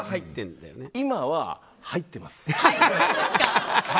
今は、入ってます。